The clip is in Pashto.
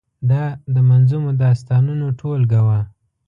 دا د منظومو داستانو ټولګه وه.